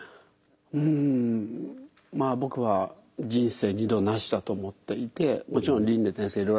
うんまあ僕は「人生二度なし」だと思っていてもちろん輪廻転生